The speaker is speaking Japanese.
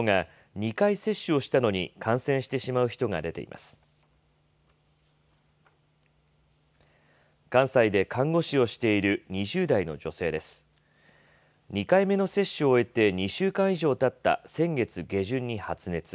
２回目の接種を終えて、２週間以上たった先月下旬に発熱。